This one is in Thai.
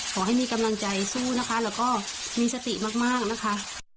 ขอให้มีกำลังใจสู้นะคะแล้วก็มีสติมากนะคะ